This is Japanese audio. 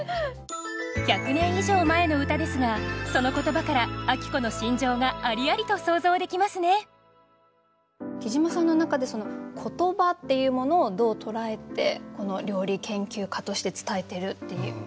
１００年以上前の歌ですがその言葉から晶子の心情がありありと想像できますねきじまさんの中で言葉っていうものをどう捉えてこの料理研究家として伝えてるっていうありますか？